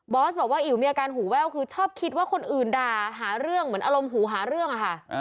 อสบอกว่าอิ๋วมีอาการหูแว่วคือชอบคิดว่าคนอื่นด่าหาเรื่องเหมือนอารมณ์หูหาเรื่องอะค่ะ